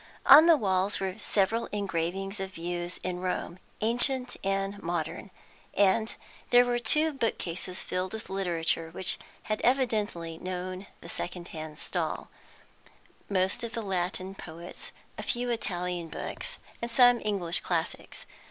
On the walls were several engravings of views in Rome, ancient and modern; and there were two bookcases filled with literature which had evidently known the second hand stall, most of the Latin poets, a few Italian books, and some English classics.